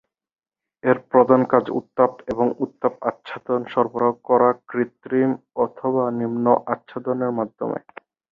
এর প্রধান কাজ উত্তাপ এবং উত্তাপ আচ্ছাদন সরবরাহ করা কৃত্রিম অথবা নিম্ন আচ্ছাদনের মাধমে।